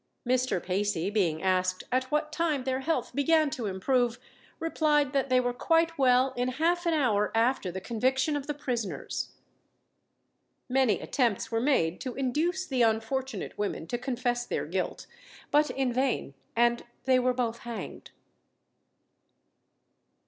Mr. Pacey, being asked at what time their health began to improve, replied, that they were quite well in half an hour after the conviction of the prisoners. Many attempts were made to induce the unfortunate women to confess their guilt; but in vain, and they were both hanged.